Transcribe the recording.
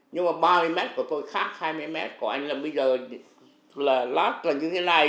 nhưng mà ba mươi mét của tôi khác hai mươi mét của anh là bây giờ là lát là như thế này